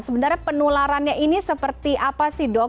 sebenarnya penularannya ini seperti apa sih dok